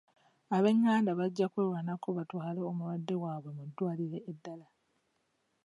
Ab'enganda bajja kwerwanako batwale omulwadde waabwe mu ddwaliro eddala.